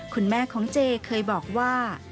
คุณแม่ของเจเคยบอกว่า